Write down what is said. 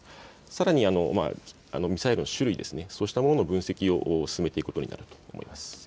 さらにミサイルの種類、そうしたものの分析を進めていくことになると思います。